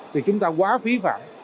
thì chúng ta quá phí phản